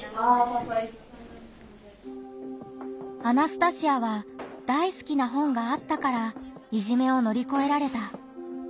アナスタシアは大好きな本があったからいじめを乗り越えられた。